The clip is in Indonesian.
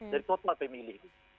dari total pemilih